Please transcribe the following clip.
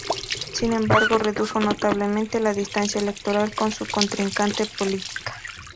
Sin embargo, redujo notablemente la distancia electoral con su contrincante política.